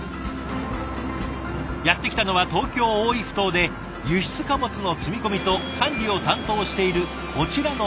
やって来たのは東京・大井埠頭で輸出貨物の積み込みと管理を担当しているこちらの部署。